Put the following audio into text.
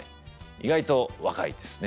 意外と若いですね。